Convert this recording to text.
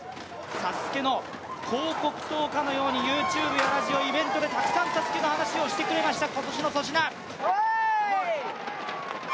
ＳＡＳＵＫＥの広告塔かのようにＹｏｕＴｕｂｅやラジオ、イベントでたくさんＳＡＳＵＫＥの話をしてくれました、今年の粗品。